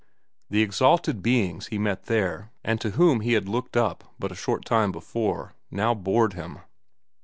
The exalted beings he met there, and to whom he had looked up but a short time before, now bored him.